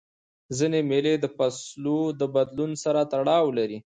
ځیني مېلې د فصلو د بدلون سره تړاو لري.